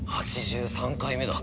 ８３回目だ。